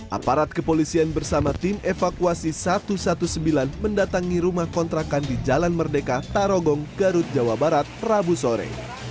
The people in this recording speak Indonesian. aparat kepolisian bersama tim evakuasi satu ratus sembilan belas mendatangi rumah kontrakan di jalan merdeka tarogong garut jawa barat rabu sore